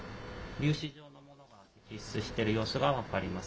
粒子状のものが析出している様子が分かります。